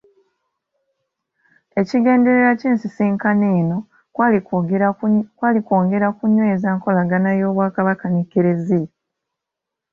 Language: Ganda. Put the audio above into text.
Ekigendererwa ky’ensisinkano eno kwali kwongera kunyweza nkolagana y’Obwakabaka n’Eklezia.